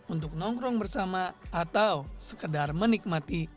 untuk nongkrong bersama atau sekedar menikmati